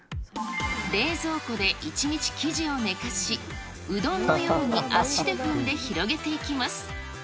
冷蔵庫で１日生地を寝かし、うどんのように足で踏んで広げていきます。